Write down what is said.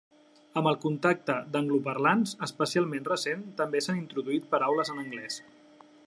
Amb el contacte d'angloparlants, especialment recent, també s'han introduït paraules en anglès.